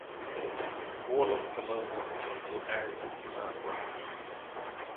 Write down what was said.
All of Pomona's total area is land.